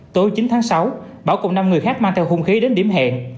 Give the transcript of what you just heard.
tối chín tháng sáu bảo cùng năm người khác mang theo hung khí đến điểm hẹn